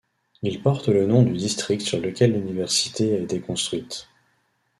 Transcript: Il porte le nom du district sur lequel l'université a été construite.